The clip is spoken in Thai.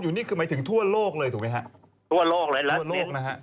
นี่คือหมายถึงทั่วโลกเลยถูกไหมฮะทั่วโลกหลายทั่วโลกนะฮะ